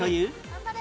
頑張れ。